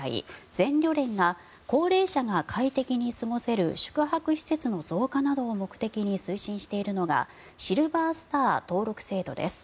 全旅連が高齢者が快適に過ごせる宿泊施設の増加を目的に推進しているのがシルバースター登録制度です。